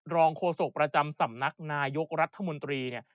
โฆษกประจำสำนักนายกรัฐมนตรีเนี่ย